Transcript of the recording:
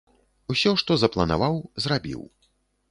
Усё, што запланаваў, зрабіў.